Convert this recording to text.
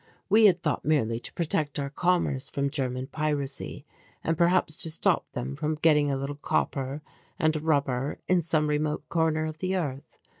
We had thought merely to protect our commerce from German piracy and perhaps to stop them from getting a little copper and rubber in some remote corner of the earth.